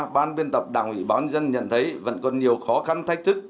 ban biên tập đảng ủy báo nhân dân nhận thấy vẫn còn nhiều khó khăn thách thức